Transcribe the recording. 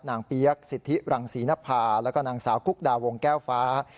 เปี๊ยกสิทธิรังศรีนภาแล้วก็นางสาวกุ๊กดาวงแก้วฟ้า